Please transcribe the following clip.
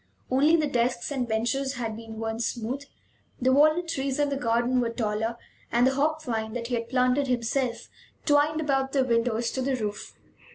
Only the desks and benches had been worn smooth; the walnut trees in the garden were taller, and the hop vine, that he had planted himself twined about the windows to the roof.